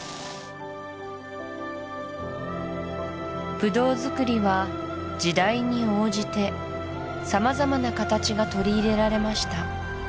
ブドウづくりは時代に応じて様々な形が取り入れられました